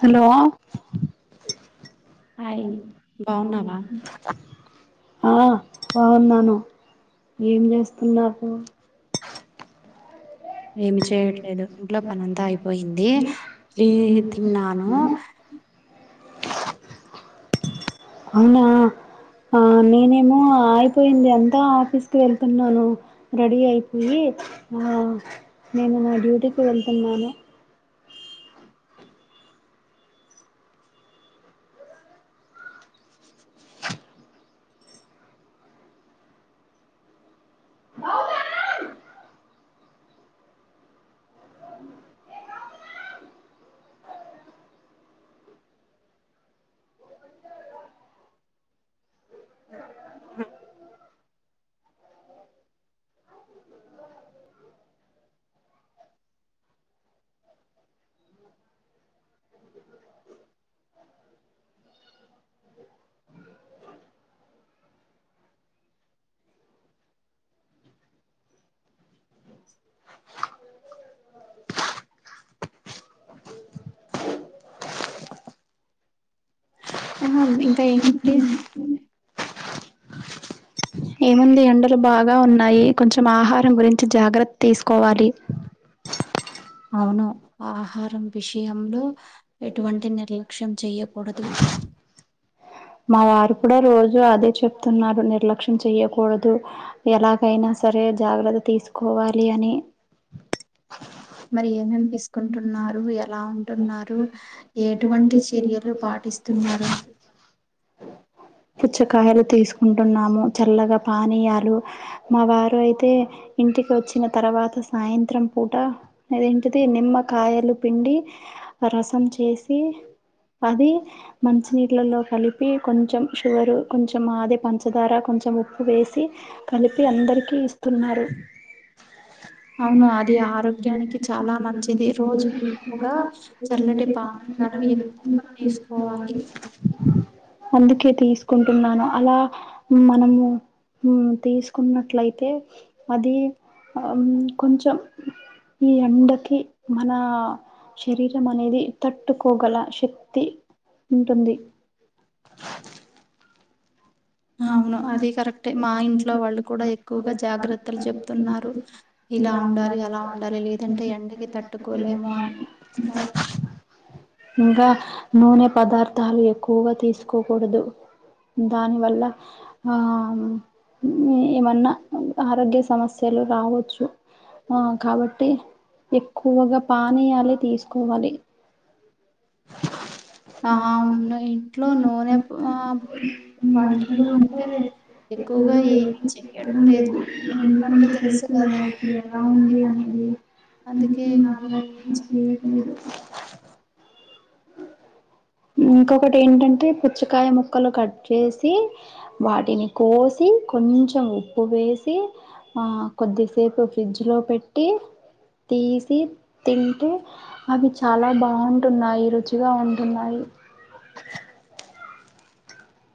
Hello ఆ బాగున్నాను ఏం చేస్తున్నాకు ఏమి చేయట్లేదు ఇంట్లో పని అంతా అయిపోయింది ప్రీ తిన్నాను అవునా ఆ నేనేమో అయిపోయింది అంతా ఆఫీస్కి వెళ్తున్నాను రెడీ అయిపోయి ఆ నేను నా డ్యూటీకి వెళ్తున్నాను ఆహా ఇంకా ఏంటి ప్రియం ఏముంది ఎండలు బాగా ఉన్నాయి కొంచెం ఆహారం గురించి జాగ్రత్త తీసుకోవాలి అవును ఆహారం విషయంలో ఎటువంటి నిర్లక్ష్యం చెయ్యకూడదు మా వారు కూడా రోజు అదే చెప్తున్నారు నిర్లక్ష్యం చెయకూడదు ఎలాగైనా సరే జాగ్రత్త తీసుకోవాలి అని మరి ఏమేం తీసుకుంటున్నారు ఎలా ఉంటున్నారు ఎటువంటి చర్యలు పాటిస్త తిన్నారు పుచ్చకాయలు తీసుకుంటున్నాము చల్లగా పానీయాలు మా వారు అయితే ఇంటికి వచ్చిన తర్వాత సాయంత్రం పూట అదేంటిది నిమ్మకాయలు పిండి రసం చేసి అది మంచినీటిలలో కలిపి కొంచెం షుగరు కొంచెం ఆది పంచదార కొంచెం చం ఉప్పు వేసి కలిపి అందరికీ ఇస్తున్నారు మన అది ఆరోగ్యానికి చాలా మంచిది రోజు ఎక్కువగా చల్లటి పానీయాలు ఎక్కువగా తీసుకోవాలి అందుకే తీసుకుంటున్నాను అలా ఊ ఊ తీసుకున్నట్లయితే అది ఆ కొంచెం ఈ ఎండకి మన శరీరం అనేది తట్టుకోగల శక్తి ఉంటుంది అవును అది కరెక్టే మా ఇంట్లో వాళ్ళు కూడా ఎక్కువగా జాగ్రత్తలు చెబుతున్నారు ఇలా ఉండాలి అలా ఉండాలి లేదంటే ఎండకి తట్టుకోలేము అని ఇంకా నూనె పదార్థాలు ఎక్కువగా తీసుకోకూడదు దాని వల్ల ఆ ఏమన్నా ఆరోగ్య సమస్యలు రావచ్చు ఆ కాబట్టి ఎక్కువగా పానీయాలె తీసుకోవాలి ఆహా ను ఇంట్లో నూనెకు ఆ వంటలో అంటే ఎక్కువగా ఏది చే వేయడం లేదు, ఎందుకంటే తెలుసు కదా ఇప్పుడు ఎలా ఉంది అనేది. అందుకే ఇగ ఆలోచించి ఇంకొకటి ఏంటంటే పుచ్చకాయ ముక్కలు కట్ చేసి వాటిని కోసి, కొంచెం ఉప్పు వేసి ఆ కొద్దిసేపు ఫ్రిడ్జ్ లో పెట్టి, తీసి తింటూ అవి చాలా బావుంటున్నాయి, రుచిగా ఉంటున్నాయి.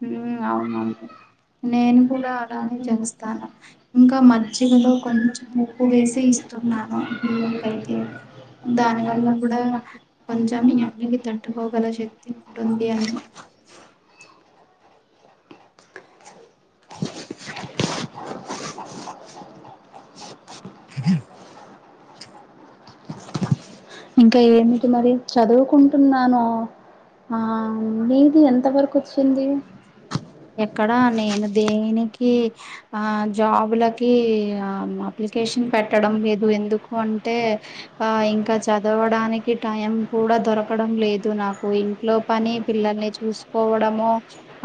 హ్మ్ అవునా అండి. నేను కూడ అలాగే చేస్తాను ఇంకా మజ్జిగలో కొంచం ఉప్పు వేసి ఇస్ తున్నాను ఇప్పుడు ఈ ఎండకైతే. దాని వల్ల కూడా నాకు కొంచం ఎండకి తట్టుకోగలుగుతున్నాను. ఇంకా ఏమిటి మరి? చదువుకుంటున్నాను, ఆ నీది ఎంత వరకు వచ్చింది. ఎక్కడా నేను దేనికి ఆ జాబులకి ఆ మా అప్లికేషన్ పెట్టడం లేదు ఎందుకు అంటే ఆ ఇంకా చ దవడానికి టైం కూడా దొరకడం లేదు నాకు. ఇంట్లో పని, పిల్లల్ని చూస్ కోవడము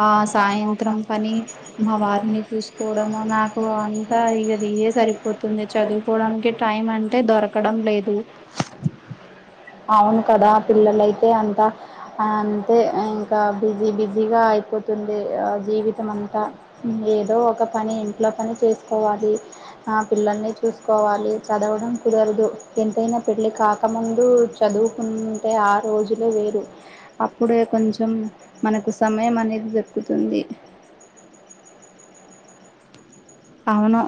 ఆ సాయంత్రం పని, మా వారిని చూసుకోవడం నాకు అంతా ఇగది ఇదే సరిపో తుంది, చదువుకోవడానికి టైం అంటే దొరకడం లేదు. అవును కదా పిల్లలయితే అంతా అంతే ఇంకా బిజీ బిజీగా అయిపోతుంది జీవితం అంతా. ఏదో ఒక పని ఇంట్లో పని చేసుకోవాలి. ఆ పిల్లల్ని చూసుకోవాలి, చదవడం కుదరదు. ఎంతైనా పెళ్లి కా క ముందు చదువుకుంటే ఆ రోజులే వేరు. అప్పుడే కొంచెం మనకు సమయం అనేది దొరుకుతుంది. అవును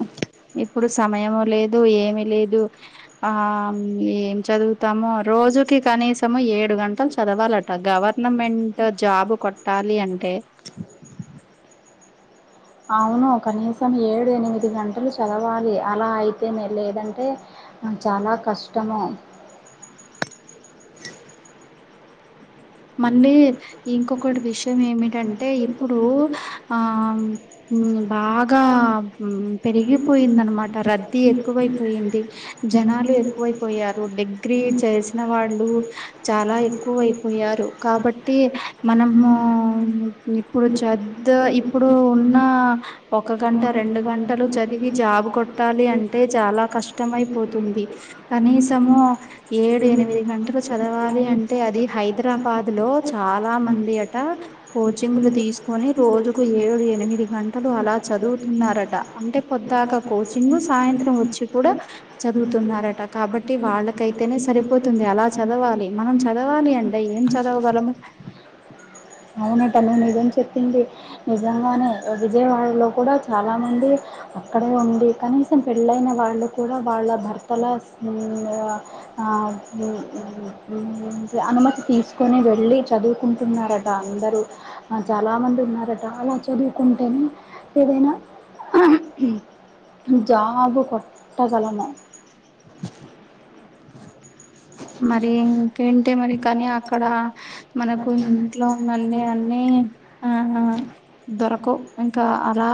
ఇప్పుడు సమయము లేదు, ఏమి లేదు. ఆ ఏం చదువు తము, రోజుకి కనీసం ఏడు గంటలు చదవాలట గవర్నమెంట్ జాబ్ కొ ట్టాలి అంటే. అవును కనీసం ఏడు, ఎనిమిది గంటలు చదవాలి అలా అయితేనే లేదంటే చాలా కష్టము. మళ్ళీ ఇంకొకటి విషయం ఏమిటంటే ఇప్పుడు ఆ బాగా పెరిగిపోయింది అన్మాట రద్దీ ఎక్కువైపోయింది. జనాలు ఎక్కువైపోయారు, డిగ్రీ చేసిన వాళ్ళు చాలా ఎక్కువ అయిపోయా రు కాబట్టి మనము ఇప్పుడు చెద్ద ఇప్ ఇప్పుడు ఉన్న ఒక గంట రెండు గంటలు చదివి జాబ్ కొట్ ట్టాలి అంటే చాలా కష్టమయిపోతుంది, కనీసము ఏడు ఎనిమిది గంటలు చదవాలి అంటే అది హైదరా బాద్ లో చాలా మంది అటా కోచింగ్లు తీసుకొని, రోజుకు ఏడు ఎనిమిది గం టలు అలా చదువుతున్నారట అంటే పొద్దాకా కోచింగ్ సాయంత్రం వచ్చి కూడా చదువుతున్నారట కాబట్టి వాళ్ళకైతే పోతుంది అలా చదవాలి మనం చదవాలి అంటే ఏం చదవగలము అవునట నువ్ నిజం చెప్పింది నిజంగానే విజయవాడలో కూడా చాలా మంది అక్కడే ఉండి కనీసం పెళ్ళైన వాళ్ళు కూడా వాళ్ళ భర్తల [unintelligible] ఆ [unintelligible] అనుమతి తీసుకొనే వెళ్ళి చదువుకుంటున్నార టా అందరూ ఆ చాలా మంది ఉన్నారట అలా చదువుకుంటేనే ఏదైనా జాబు కొట్టగలము మరి ఇంకేంటే మరి కానీ అక్కడ మనకు ఇంట్లో మళ్ళీ అన్నీ ఆన్నాం దొరకవ్ ఇంకా అలా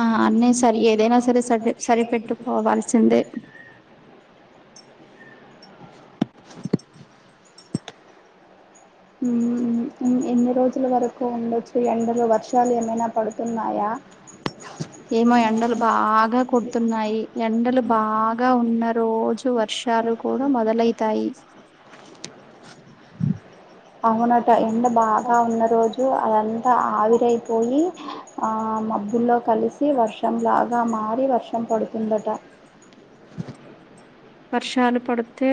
ఆ అన్నీ సరి ఏదైనా సరే సర్దే సరిపెట్టుకోవాల్సిందే ఊ ఊ ఎన్ని రోజుల వరకు ఉండచ్చు ఎండలు వర్షాలు ఏమైనా పడుతున్నాయా ఏమో ఎండలు బాగా కొడుతున్నాయి ఎండలు బాగా ఉన్న రోజు వర్షాలు కూడా మొదలైతాయి అవునట ఎండ బాగా ఉన్న రోజు అదంతా ఆవిరైపోయి ఆ మబ్బుల్లో కలిసి వర్షంలాగా మారి వర్షం పడుతుందట వర్షాలు పడితే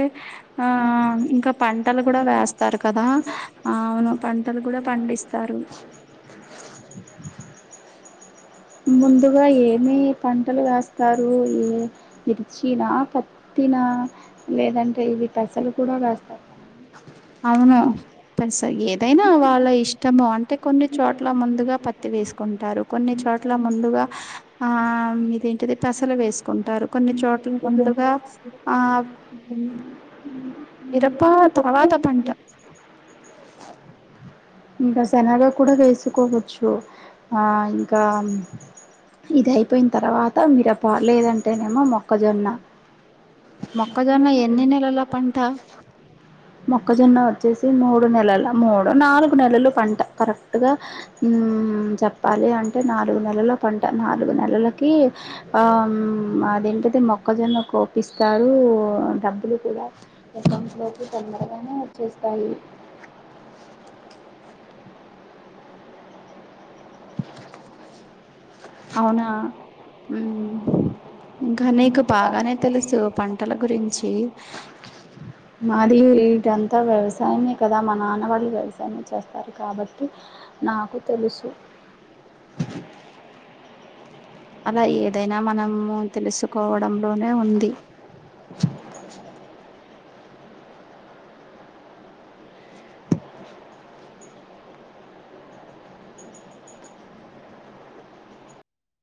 ఆ ఆ ఇంకా పంటలు కూడా వేస్తారు కదా ఆ అవును పంటలు కూడా పండిస్తారు ముందుగా ఏమీ పంటలు వేస్తారు ఏ విర్చినా పత్తి నా లేదంటే ఇవి పెసలు కూడా వేస్తా అవును పెన్సై ఏదైనా వాళ్ళ ఇష్టము అంటే కొన్ని చోట్ల ముందుగా పత్తి వేసుకుంటారు కొన్ని చోట్ల ముందుగా ఆం ఇదేంటిది పెసలు వేసుకుంటారు కొన్ని చోట్ల ముందుగా ఆ ఇంకా శెనగ కూడా వేసుకోవచ్చు ఆ ఇంకా ఇది అయిపోయిన తర్వాత మిరప లేదంటేనేమో మొక్కజొన్న మొక్కజొన్న ఎన్ని నెలల పంట మొక్కజొన్న వచ్చేసి మూడు నెలల్ ట మూడు నాలుగు నెలలు పంట కరెక్టు గా ఊమ్ చెప్పాలి అంటే నాలుగు నెలల పంట నాలుగు నెలలకి ఆం అదేంటిది మొక్కజొన్న కోపిస్తారు డబ్బులు కూడా అకౌంట్ లోకి తొందరగానే వచ్చేస్తాయి అవునా ఉమ్ ఇంకా నీకు బాగానే తెలుసు పంటల గురించి మాది వీటంతా వ్యవసాయమే కదా మా నాన్నవాళ్ళు వ్యవసాయమే చేస్తారు కాబట్టి నాకు తెలుసు అలా ఏదైన మనము తెలుసుకోవడ లోనే ఉంది